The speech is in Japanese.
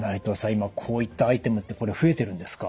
今こういったアイテムってこれ増えてるんですか？